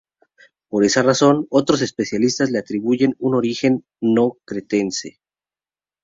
Por esa razón, otros especialistas le atribuyen un origen no cretense.